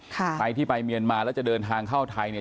ใครที่ไปเมียนมาแล้วจะเดินทางเข้าไทยเนี่ย